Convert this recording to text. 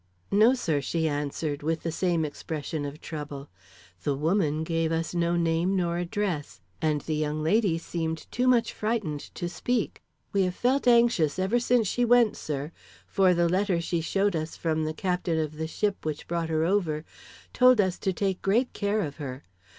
"No sir," she answered, with the same expression of trouble. "The woman gave us no name nor address, and the young lady seemed too much frightened to speak. We have felt anxious ever since she went, sir; for the letter she showed us from the captain of the ship which brought her over, told us to take great care of her.